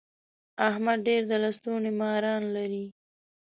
احمد ډېر د لستوڼي ماران لري.